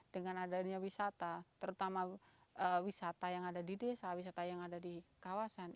dengan adanya wisata terutama wisata yang ada di desa wisata yang ada di kawasan